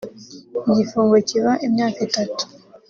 igifungo kiba imyaka itatu